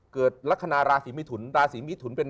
เกิดลักษณะราศีมิถุนราศีมิถุนเป็น